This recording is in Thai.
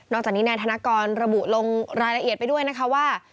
จากนี้นายธนกรระบุลงรายละเอียดไปด้วยนะคะว่า